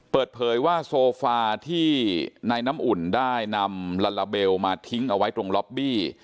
เปิดเผยว่าโซฟาที่นายน้ำอุ่นได้นำลาลาเบลมาทิ้งเอาไว้ตรงล็อบบี้